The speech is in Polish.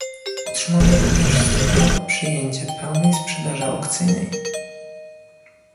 Utrzymano również stopniowe przyjęcie pełnej sprzedaży aukcyjnej